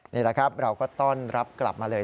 นี่แหละครับเราก็ต้อนรับกลับมาเลย